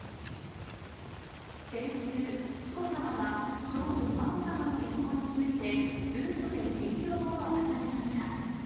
先週、紀子さまは長女、まこさまの結婚について、文書で心境を明かされました。